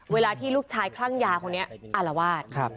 เวลาที่ลูกชายคลั่งยาคนนี้อารวาส